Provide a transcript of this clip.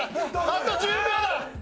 あと１０秒。